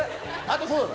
あとそうだ。